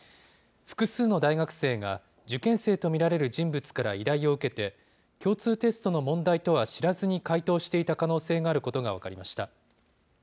複数の大学生が、受験生と見られる人物から依頼を受けて、共通テストの問題とは知らずに解答していた可能性があることが分かりました。